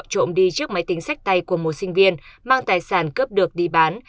trộm đi chiếc máy tính sách tay của một sinh viên mang tài sản cướp được đi bán